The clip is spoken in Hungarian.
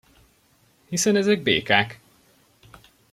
Hiszen ezek békák!